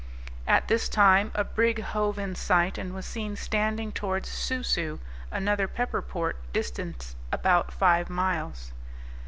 At this time a brig hove in sight, and was seen standing towards Soo Soo, another pepper port, distant about five miles.